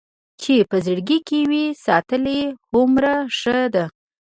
چې په زړه کې وي ساتلې هومره ښه ده.